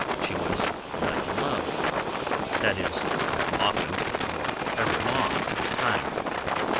She was not in love that is, not often, nor ever long at a time.